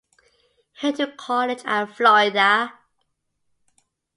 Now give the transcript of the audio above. He went to college at Florida.